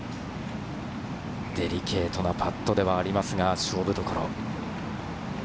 デリケートなパットではありますが勝負どころ。